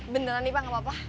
beneran nih pak gak apa apa